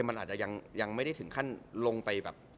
มันอาจจะยังไม่ได้ถึงขั้นลงไปแบบ